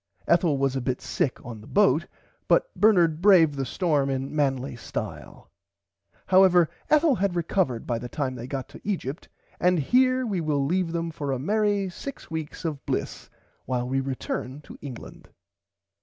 Ethel was a bit sick on the boat but Bernard braved the storm in manly style. However Ethel had recovered by the time they got to Egypt and here we will leave them for a merry six weeks of bliss while we return to England.